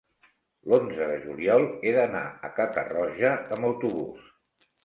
L'onze de juliol he d'anar a Catarroja amb autobús.